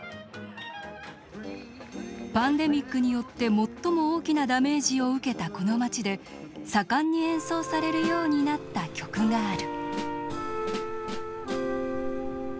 パンデミックによって最も大きなダメージを受けたこの街で盛んに演奏されるようになった曲がある。